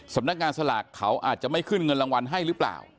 สำนักงานสลากเขาอาจจะไม่ขึ้นเงินรางวัลให้หรือเปล่า